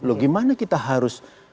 loh gimana kita harus